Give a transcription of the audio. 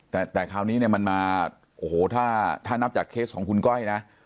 แต่คราวนี้เนี่ยมันมาโอ้โหถ้านับจากเคสของคุณก้อยนะ